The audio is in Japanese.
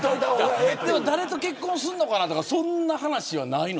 誰と結婚するのかとかそんな話はないの。